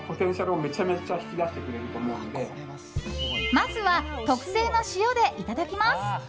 まずは特製の塩でいただきます。